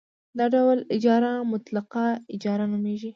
دا ډول اجاره مطلقه اجاره نومېږي